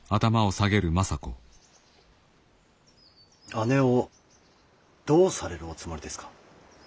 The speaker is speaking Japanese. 姉をどうされるおつもりですか。